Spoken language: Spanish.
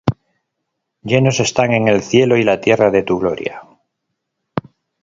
Llenos están el cielo y la tierra de tu gloria.